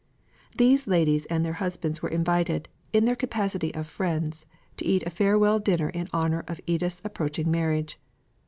These ladies and their husbands were invited in their capacity of friends, to eat a farewell dinner in honour of Edith's approaching marriage.